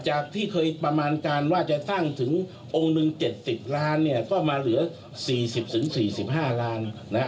จากที่เคยประมาณการว่าจะสร้างถึง๑ลง๗๐ล้านเนี่ยก็มาเหลือ๔๐๔๕ล้านนะครับ